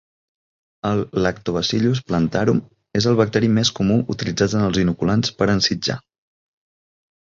El "Lactobacillus plantarum" és el bacteri més comú utilitzat en els inoculants per ensitjar.